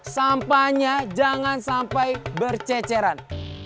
sampahnya jangan sampai berceceran